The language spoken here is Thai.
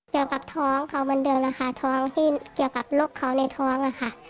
เกี่ยวกับท้องเค้ามันเดิมละค่ะท้องที่เกี่ยวกับลกเค้าในท้องละค่ะ